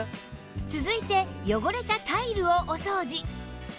続いて汚れたタイルをお掃除